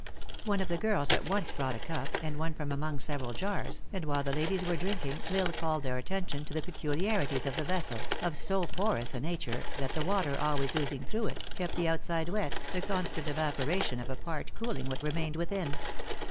219 One of the girls at once Brought a cup, and one from among several jars, and, while the ladies were drink ing, L Isle called their attention to the peculiarities of the vessel, of so porous a nature, that the water, always oozing through it, kept the outside wet, the constant evaporation of a part cooling what remained within.